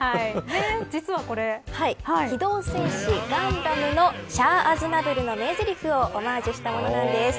実はこれ、機動戦士ガンダムのシャア・アズナブルの名ぜりふをオマージュしたものなんです。